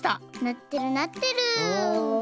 なってるなってる。